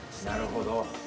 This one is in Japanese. なるほど。